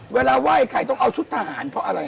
เวลาไหว้ใครต้องเอาชุดทหารเพราะอะไร